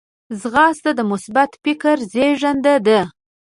ځغاسته د مثبت فکر زیږنده ده